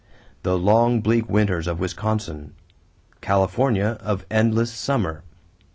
The long bleak winters of Wisconsin California of endless summer!